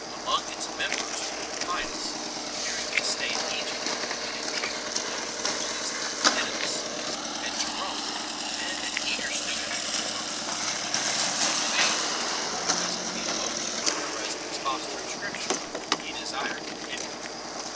Among its members were Rufinus, who during his stay in Egypt had been a pupil of the Origenist Didy mus ; and Jerome, then an eager student of the works of Origen, whose fame, whether as a theologian or as an expo sitor of Scripture, he desired to emulate.